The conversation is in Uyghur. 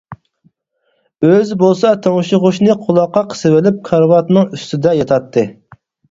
ئۆزى بولسا تىڭشىغۇچنى قۇلاققا قىسىۋېلىپ كارىۋاتنىڭ ئۈستىدە ياتاتتى.